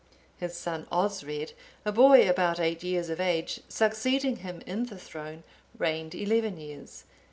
His son Osred,(868) a boy about eight years of age, succeeding him in the throne, reigned eleven years.